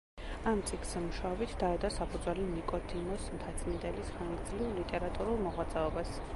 ამ წიგნზე მუშაობით დაედო საფუძველი ნიკოდიმოს მთაწმიდელის ხანგრძლივ ლიტერატურულ მოღვაწეობას.